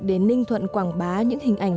để ninh thuận quảng bá những hình ảnh